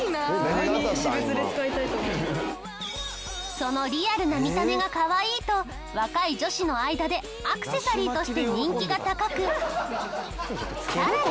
そのリアルな見た目がかわいいと若い女子の間でアクセサリーとして人気が高くさらに。